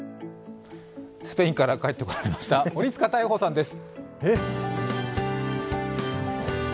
スペインから帰ってこられた鬼塚泰邦さんです。